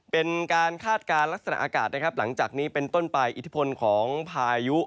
เป็นการคาดการณ์ลักษณะอากาศนะครับหลังจากนี้เป็นต้นไปอิทธิพลของพายุ